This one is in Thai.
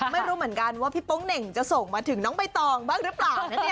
ไม่รู้เหมือนกันว่าพี่โป๊งเหน่งจะส่งมาถึงน้องใบตองบ้างหรือเปล่านะเนี่ย